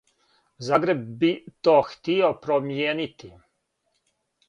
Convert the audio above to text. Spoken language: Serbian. Загреб би то хтио промијенити.